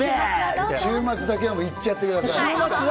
週末だけは行っちゃってください。